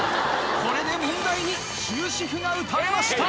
これで問題に終止符が打たれました。